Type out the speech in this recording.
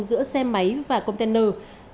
giữa xe máy và container